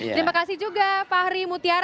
terima kasih juga pak rimu tiara